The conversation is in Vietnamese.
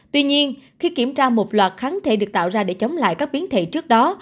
tuy nhiên khi kiểm tra một loạt kháng thể được tạo ra để chống lại các biến thể trước đó